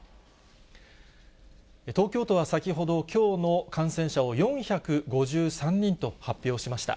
東京都は先ほど、きょうの感染者を４５３人と発表しました。